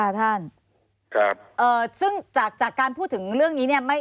ค่ะท่านซึ่งจากการพูดถึงเรื่องนี้เนี่ย